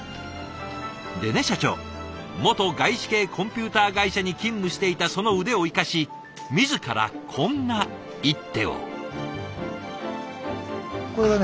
でね社長元外資系コンピューター会社に勤務していたその腕を生かし自らこんな一手を。